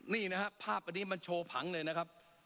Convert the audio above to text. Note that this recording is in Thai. นี่นะครับภาพอันนี้มันโชว์ผังเลยนะครับ